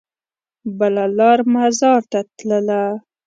بله لار مزار ته تلله.